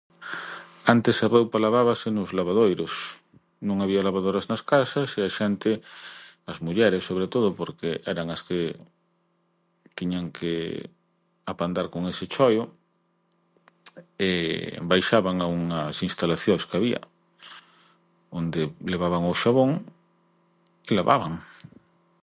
Antes a roupa lavábase nos lavadoiros. Non había lavadoras nas casas e a xente, as mulleres, sobre todo, porque eran as que tiñan que apandar con ese choio, baixaban a unhas instalaciós que había onde levaban o xabón e lavaban.